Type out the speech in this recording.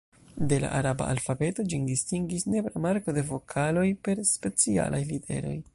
De la araba alfabeto ĝin distingis nepra marko de vokaloj per specialaj literoj.